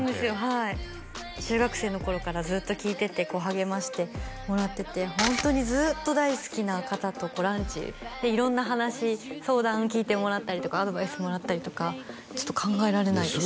はい中学生の頃からずっと聴いてて励ましてもらっててホントにずっと大好きな方とランチで色んな話相談聞いてもらったりとかアドバイスもらったりとかちょっと考えられないです